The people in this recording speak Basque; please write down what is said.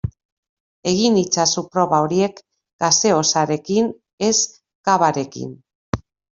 Egin itzazu proba horiek gaseosarekin ez cavarekin.